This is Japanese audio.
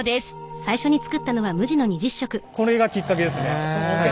これがきっかけですね。